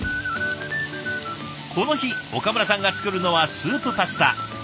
この日岡村さんが作るのはスープパスタ。